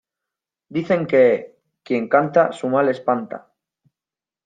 dicen que... quien canta, su mal espanta .